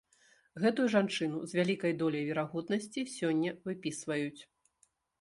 Гэтую жанчыну з вялікай доляй верагоднасці сёння выпісваюць.